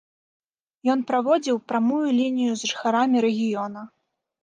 Ён праводзіў прамую лінію з жыхарамі рэгіёна.